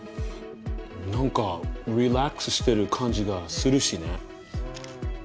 なんかリラックスしてる感じがするしね。